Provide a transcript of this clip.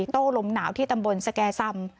โต้ลมหนาวที่ตำบลสแก่ซำ